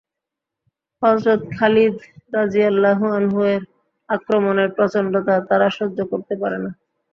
হযরত Khalid রাযিয়াল্লাহু আনহু-এর আক্রমণের প্রচণ্ডতা তারা সহ্য করতে পারে না।